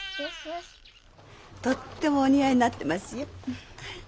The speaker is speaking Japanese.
とってもお似合いになってますよ。